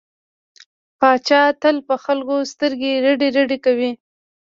پاچا تل په خلکو سترګې رډې رډې کوي.